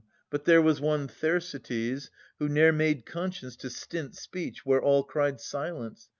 But there was one Thersites, Who ne'er made conscience to stint speech, where all Cried 'Silence!'